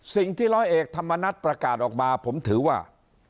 สิ่งที่ร้อยเอกธรรมนัฐประกาศออกมาผมถือว่า